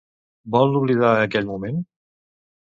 Vol oblidar aquell moment?